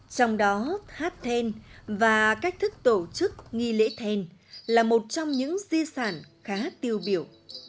trong đó hát then và cách thức tổ chức nghi lễ then là một trong những di sản khá tiêu biểu